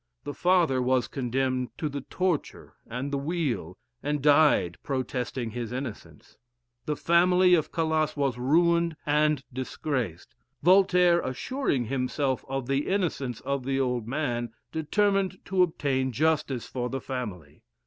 The father was condemned to the torture and the wheel, and died protesting his innocence. The family of Calas was ruined and disgraced. Voltaire, assuring himself of the innocence of the old man, determined to obtain justice for the family.